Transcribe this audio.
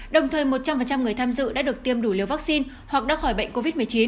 đồng thời một trăm linh người tham dự đã được tiêm đủ liều vaccine hoặc đã khỏi bệnh covid một mươi chín